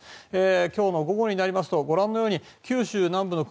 今日の午後になりますとご覧のように九州南部の雲